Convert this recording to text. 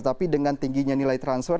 tapi dengan tingginya nilai transfer